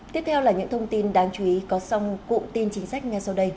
tiếp theo là những thông tin đáng chú ý có song cụ tin chính sách nghe sau đây